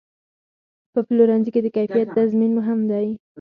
په پلورنځي کې د کیفیت تضمین مهم دی.